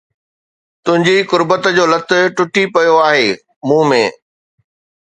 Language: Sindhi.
تنهنجي قربت جو لت ٽٽي پيو آهي مون ۾